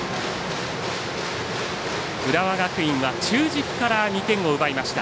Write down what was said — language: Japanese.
浦和学院は中軸から２点を奪いました。